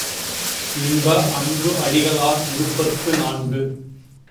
இன்ப அன்பு அடிகளார் இருபத்து நான்கு.